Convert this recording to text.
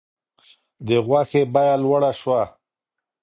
د غوښې بیه لوړه شوه.